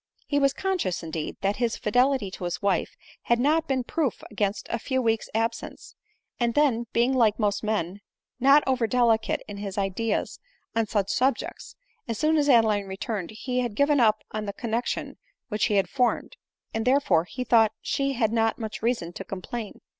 He was con scious, indeed, that his fidelity to his wife had not been proof against a few week's absence ; but then, being, like most men, not over delicate in his ideas on such subjects, as soon as Adeline returned he had given up the con nexion which he had formed, and therefore he thought she had not much reason to complain.